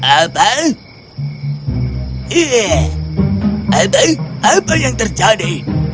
apa apa yang terjadi